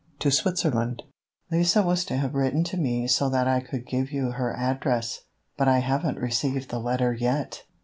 "To Switzerland. Lise was to have written to me so that I could give you her address, but I haven't received the letter yet."